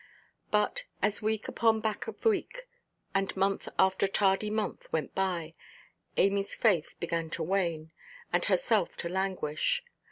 But, as week upon back of week, and month after tardy month, went by, Amyʼs faith began to wane, and herself to languish.